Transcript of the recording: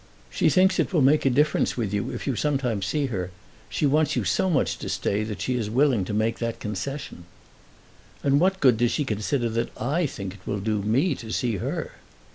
"She thinks it will make a difference with you if you sometimes see her. She wants you so much to stay that she is willing to make that concession." "And what good does she consider that I think it will do me to see her?"